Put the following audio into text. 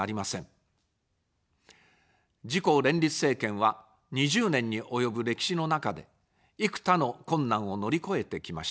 自公連立政権は、２０年に及ぶ歴史の中で、幾多の困難を乗り越えてきました。